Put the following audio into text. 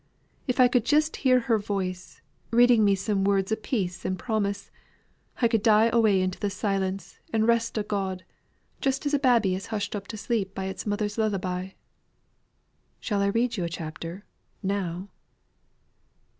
if I could just hear her voice, reading me some words o' peace and promise, I could die away into the silence and rest o' God, just as a baby is hushed up to sleep by its mother's lullaby." "Shall I read you a chapter, now?"